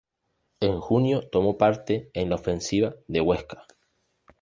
En junio tomó parte en la Ofensiva de Huesca.